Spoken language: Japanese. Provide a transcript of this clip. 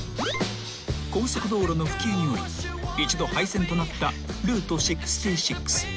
［高速道路の普及により一度廃線となったルート６６］